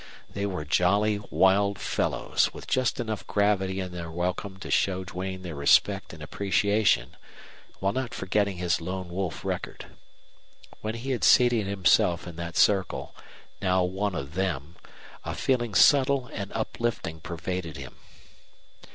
They were jolly, wild fellows, with just enough gravity in their welcome to show Duane their respect and appreciation, while not forgetting his lone wolf record. When he had seated himself in that circle, now one of them, a feeling subtle and uplifting pervaded him.